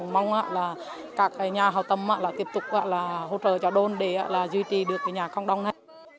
mong là các nhà hào tâm là tiếp tục là hỗ trợ cho đôn để là duy trì được cái nhà cộng đồng này